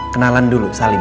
kenalan dulu salim